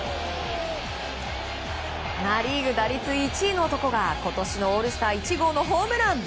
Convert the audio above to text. ナ・リーグ打率１位の男が今年のオールスター１号のホームラン。